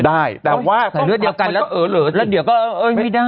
ได้แต่ว่าใส่เลือดเดียวกันแล้วเออเหลือแล้วเดี๋ยวก็เอ้ยไม่ได้